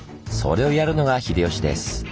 それをやるのが秀吉です。